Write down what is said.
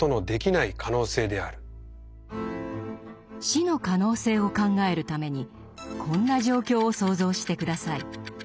「死の可能性」を考えるためにこんな状況を想像して下さい。